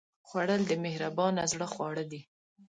خوړل د مهربان زړه خواړه دي